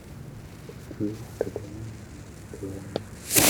Kuki utagabanya umusatsi wawe